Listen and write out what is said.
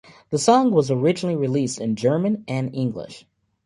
The song was originally released in German and English.